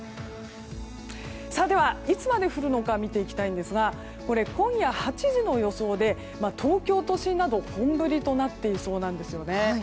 では、いつまで降るのか見ていきたいんですが今夜８時の予想で東京都心などは本降りとなっていそうなんです。